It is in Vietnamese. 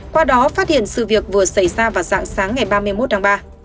qua đó phát hiện sự việc vừa xảy ra vào dạng sáng ngày ba mươi một tháng ba